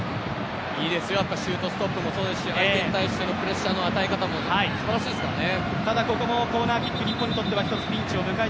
いいですよ、シュートストップもそうですし、相手に対してのプレッシャーの与え方もすばらしいですからね。